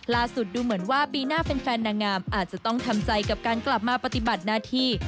ดูเหมือนว่าปีหน้าแฟนนางงามอาจจะต้องทำใจกับการกลับมาปฏิบัติหน้าที่